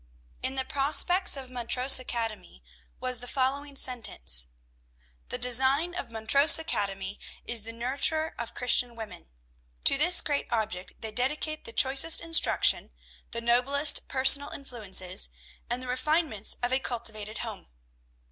In the prospectus of Montrose Academy was the following sentence: "The design of Montrose Academy is the nurture of Christian women. "To this great object they dedicate the choicest instruction, the noblest personal influences, and the refinements of a cultivated home."